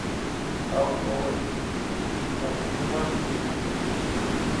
ما ورته وویل: پاسیني مړ شو.